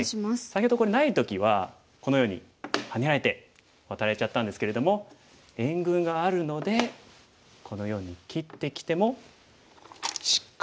先ほどこれない時はこのようにハネられてワタられちゃったんですけれども援軍があるのでこのように切ってきてもしっかりと応戦することができます。